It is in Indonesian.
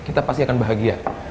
kita pasti akan bahagia